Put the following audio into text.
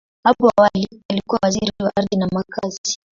Hapo awali, alikuwa Waziri wa Ardhi na Makazi.